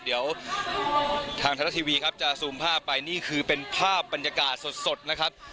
เดี๋ยวทางไทยรัฐทีวีครับจะซูมภาพไปนี่คือเป็นภาพบรรยากาศสดนะครับ